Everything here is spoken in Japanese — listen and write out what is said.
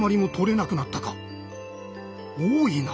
多いな。